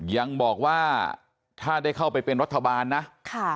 ยังบอกว่าถ้าได้เข้าไปเป็นรัฐบาลนะค่ะ